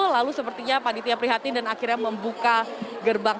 lalu sepertinya panitia prihatin dan akhirnya membuka gerbang